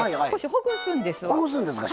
ほぐすんですか？